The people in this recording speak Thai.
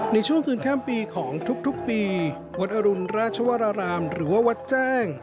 ในช่วงคืนข้ามปีของทุกปีวัดอรุณราชวรรารามหรือว่าวัดแจ้ง